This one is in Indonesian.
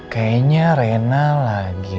kayaknya rena lagi